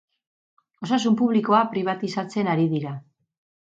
Osasun publikoa pribatizatzen ari dira.